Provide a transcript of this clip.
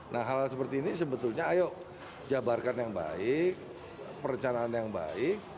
nah hal hal seperti ini sebetulnya ayo jabarkan yang baik perencanaan yang baik